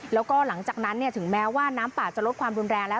แล้วก็หลังจากนั้นถึงแม้ว่าน้ำป่าจะลดความรุนแรงแล้ว